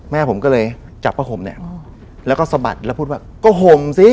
แม่ผมก็เลยจับผ้าห่มเนี่ยแล้วก็สะบัดแล้วพูดว่าก็ห่มสิ